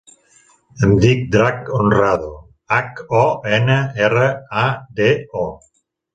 Em dic Drac Honrado: hac, o, ena, erra, a, de, o.